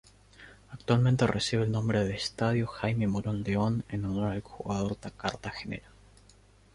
Actualmente recibe el nombre de Estadio Jaime Morón León en honor al jugador cartagenero.